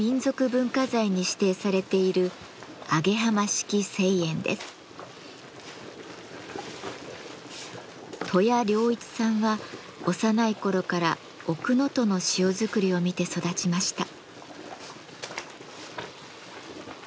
文化財に指定されている登谷良一さんは幼い頃から奥能登の塩作りを見て育ちました。